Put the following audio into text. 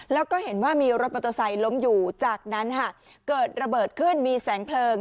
แล้วก็เห็นว่ามีรถมอเตอร์ไซค์ล้มอยู่จากนั้นเกิดระเบิดขึ้นมีแสงเพลิง